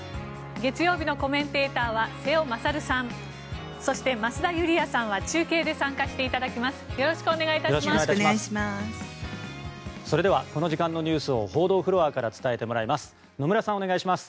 月曜日のコメンテーターは瀬尾傑さんそして増田ユリヤさんは中継で参加していただきます。